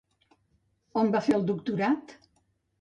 On va fer el doctorat?